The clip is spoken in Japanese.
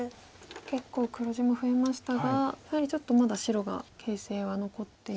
結構黒地も増えましたがやはりちょっとまだ白が形勢は残っている。